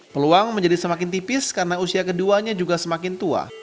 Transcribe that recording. peluang menjadi semakin tipis karena usia keduanya juga semakin tua